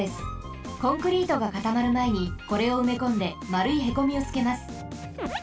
コンクリートがかたまるまえにこれをうめこんでまるいへこみをつけます。